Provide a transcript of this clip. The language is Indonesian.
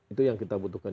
itu yang kita butuhkan